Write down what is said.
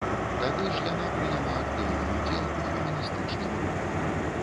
Тады ж яна прыняла актыўны ўдзел у феміністычным руху.